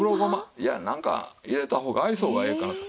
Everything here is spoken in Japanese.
いやなんか入れた方が愛想がええかなと。